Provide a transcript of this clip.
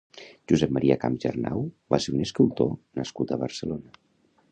Josep Maria Camps i Arnau va ser un escultor nascut a Barcelona.